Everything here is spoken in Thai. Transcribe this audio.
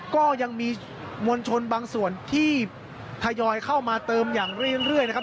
ก็ยังมีมวลชนบางส่วนที่ทยอยเข้ามาเติมอย่างเรื่อยนะครับ